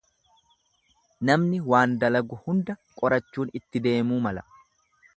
Namni waan dalagu hunda qorachuun itti deemuu mala.